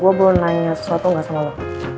gue mau nanya sesuatu nggak sama lo